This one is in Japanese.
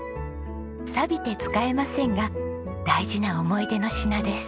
さびて使えませんが大事な思い出の品です。